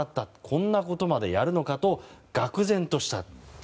こんなことまでやるのかとがくぜんとした。